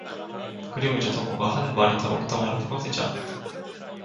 그리고 이제 덕호가 한 말이 다 옳다고는 생각되지 않았다.